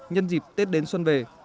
nhân dịp tết đến xuân về